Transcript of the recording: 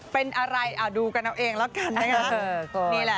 เป็นอะไรดูกันเอาเองแล้วกันนะคะ